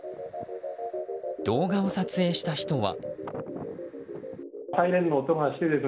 動画を撮影した人は。